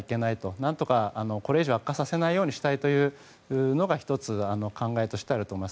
何とかこれまで以上悪化させないようにしたいというのが１つ考えとしてあると思います。